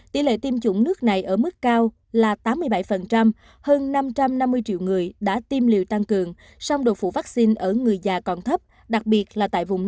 tỷ lệ tiêm chủng nước này ở mức cao là tám mươi bảy hơn năm trăm năm mươi triệu người đã tiêm liều